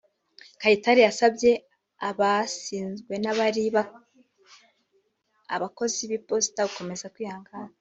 Kayitare yasabye abasinzwe n’abari abakozi b’Iposita gukomeza kwihangana